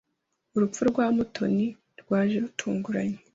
Urupfu rwa Mutoni rwaje rutunguranye.